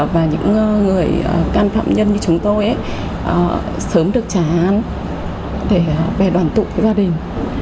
và những người can phạm nhân như chúng tôi sớm được trả hạn để đoàn tụ gia đình